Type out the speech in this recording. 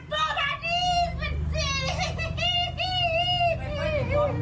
ฮึเออเจ็บหกเจ็บ